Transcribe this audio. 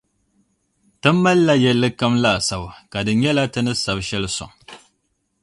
Ti mali la yɛllikam laasabu, ka di nyɛla ti ni sabi shɛli sɔŋ.